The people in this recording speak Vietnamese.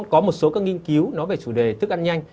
có một số các nghiên cứu nói về chủ đề thức ăn nhanh